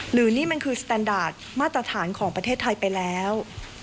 หรือนี่มันคือสแตนดาร์ดมาตรฐานของประเทศไทยไปแล้ว